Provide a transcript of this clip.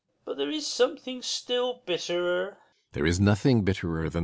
] But there is something still bitterer.